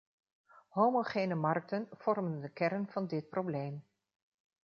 Homogene markten vormen de kern van dit probleem.